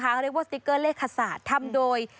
เขาเรียกว่าสติ๊กเกอร์เลขศาสตร์ทำโดย